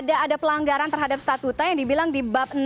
ada pelanggaran terhadap statuta yang dibilang di bab enam